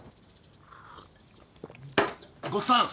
ごっさん。